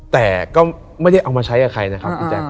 แต่ก็ไม่ได้เอามาใช้กับใครนะครับพี่แจ๊ค